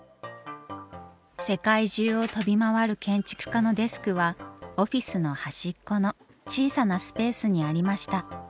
世界中を飛び回る建築家のデスクはオフィスの端っこの小さなスペースにありました。